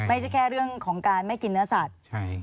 ออกจากการไม่กินเนื้อสัตว์